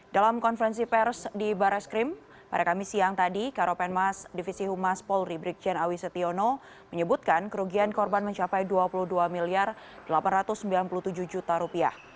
dalam konferensi pers di barreskrim pada kamis siang tadi karopenmas divisi humas polri brikjen awisetiono menyebutkan kerugian korban mencapai dua puluh dua delapan ratus sembilan puluh tujuh juta rupiah